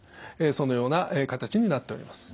そのような形になっております。